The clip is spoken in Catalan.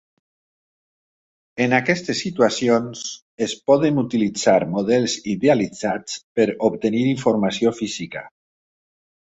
En aquestes situacions, es poden utilitzar models idealitzats per obtenir informació física.